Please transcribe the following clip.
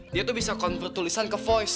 dia tuh bisa konver tulisan ke voice